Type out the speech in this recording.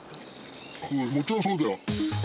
もちろんそうだよ。